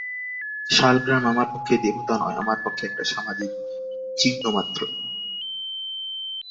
শালগ্রাম আমার পক্ষে দেবতা নয়, আমার পক্ষে একটা সামাজিক চিহ্নমাত্র।